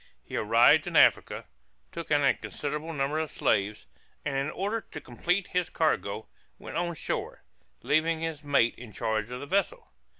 He arrived in Africa, took in a considerable number of slaves, and in order to complete his cargo, went on shore, leaving his mate in charge of the vessel.